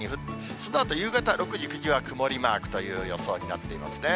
そのあと夕方６時、９時は曇りマークという予想になっていますね。